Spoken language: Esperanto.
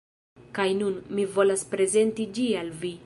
Kaj nun, mi volas prezenti ĝi al vi.